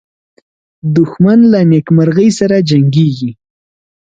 دښمن له نېکمرغۍ سره جنګیږي